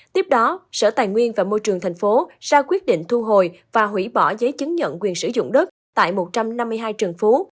tiếp đó sở tài nguyên và môi trường thành phố ra quyết định thu hồi và hủy bỏ giấy chứng nhận quyền sử dụng đất tại một trăm năm mươi hai trần phú